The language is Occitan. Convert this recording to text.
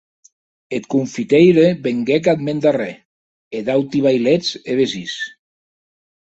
Eth confiteire venguec ath mèn darrèr, e d'auti vailets e vesins.